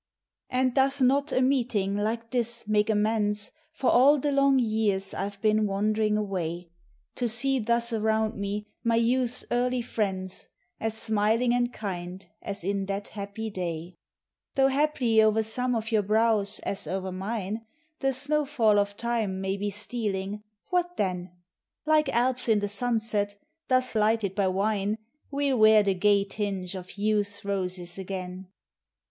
And doth not a meeting like this make amends For all the long years I 've been wand'ring away— To see thus around me my youth's early friends. As smiling and kind as in that happy day? Digitized by Google FRIENDSHIP. 3G7 Though haply o'er some of your brows, as o'er mine, The snow fall of Time may be stealing — what then? Like Alps in the sunset, thus lighted by wine, We '11 wear the gay tinge of Youth's roses again.